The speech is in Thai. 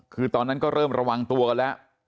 คือตอนนั้นก็เริ่มระวังตัวกันแล้ว